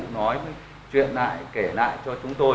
nói chuyện lại kể lại cho chúng tôi